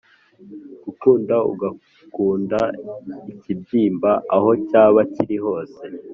Ugukunda agukanda ikibyimba aho cyaba kiri hose.